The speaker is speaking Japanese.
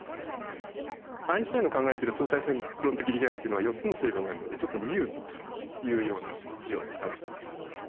アインシュタインの考えてる相対性論的力学っていうのは４つの成分があるのでちょっとμとかいうような字を使わせてもらいます。